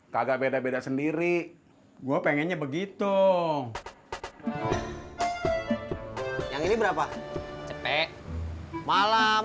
kagak beda beda sendiri gue pengennya begitu yang ini berapa cepet malam